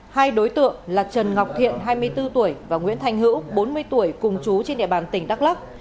hai đối tượng là trần ngọc thiện hai mươi bốn tuổi và nguyễn thanh hữu bốn mươi tuổi cùng chú trên địa bàn tỉnh đắk lắc